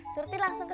surti mbak surti